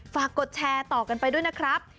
กดแชร์ต่อกันไปด้วยนะครับ